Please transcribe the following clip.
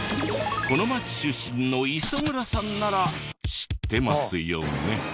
この町出身の磯村さんなら知ってますよね？